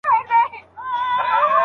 موسیقي کولای سي د انسان مزاج بدل کړي.